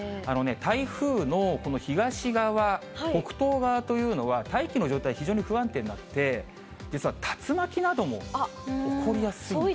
台風のこの東側、北東側というのは、大気の状態、非常に不安定になって、実は竜巻なども起こりやすいんですね。